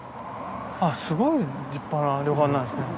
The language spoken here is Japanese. あっすごい立派な旅館なんですね。